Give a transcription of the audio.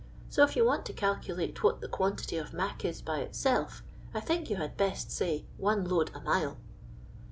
So if you want to calcukte what the quantity of ' mac ' is by itself, I think you had best say one load a mile."